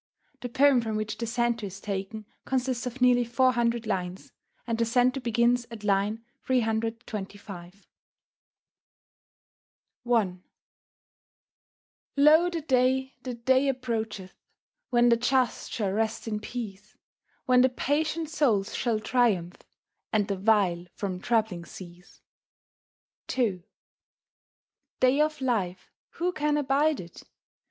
The poem from which the cento is taken consists of nearly four hundred lines, and the cento begins at line 325. I Lo, the day, the day approacheth When the just shall rest in peace, When the patient souls shall triumph, And the vile from troubling cease. II Day of life, who can abide it?